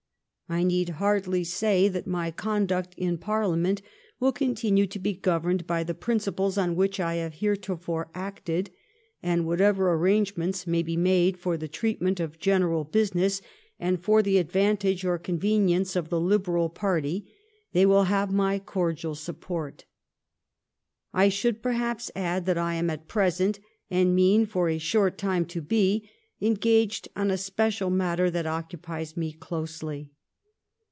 I need hardly say that my conduct in Parliament will continue to be governed by the principles on which I have heretofore acted ; and whatever ar rangements may be made for the treatment of general business, and for the advantage or con venience of the Liberal party, they will have my cordial support. I should, perhaps, add that I am at present, and mean for a short time to be, engaged on a special matter that occupies me closely."